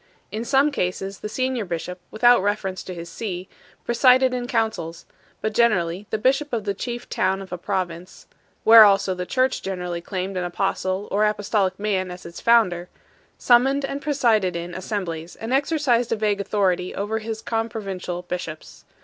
In some cases the senior bishop, without reference to his see, presided in councils; but generally the bishop of the chief town of a province where also the church generally claimed an apostle or apostolic man as its founder sum moned and presided in assemblies, and exercised a vague authority over his comprovincial bishops.